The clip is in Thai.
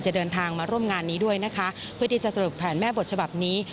เดินทางมาร่วมงานนี้ด้วยนะคะเพื่อที่จะสรุปแผนแม่บทฉบับนี้